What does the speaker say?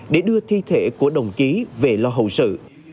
để đưa thi thể của đồng chí về lo hậu sự